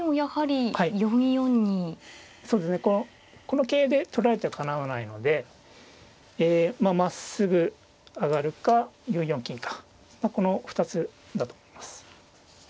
この桂で取られてはかなわないのでまっすぐ上がるか４四金かこの２つだと思います。